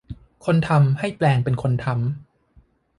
คนธรรพให้แปลงเป็นคนธรรพ์